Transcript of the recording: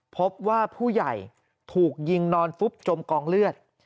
พบว่าผู้ใหญ่ถูกยิงนอนฟุบจมกองเลือด